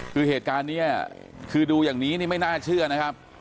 คือเหตุการณ์นี้คือดูอย่างนี้นี่ไม่น่าเชื่อนะครับ